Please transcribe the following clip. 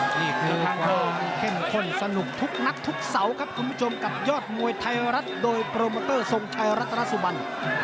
นี่คือทางทองเข้มข้นสนุกทุกนัดทุกเสาครับคุณผู้ชมกับยอดมวยไทยรัฐโดยโปรโมเตอร์ทรงชัยรัตนสุบัน